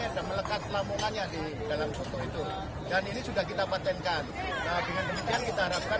ada melekat lamongan ya di dalam foto itu dan ini sudah kita patentkan dengan kebijakan kita harapkan